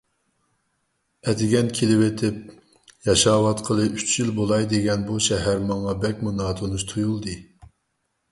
ئەتىگەن كېلىۋېتىپ، ياشاۋاتقىلى ئۈچ يىل بولاي دېگەن بۇ شەھەر ماڭا بەكمۇ ناتونۇش تۇيۇلدى.